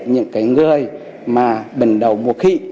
những người bình đầu mùa khị